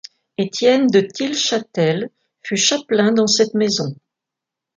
Étienne de Til-Châtel fut chapelain dans cette maison.